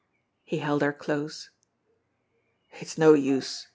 He held her close. "It's no use!"